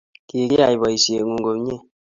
Kigiyay boisiengung komnyei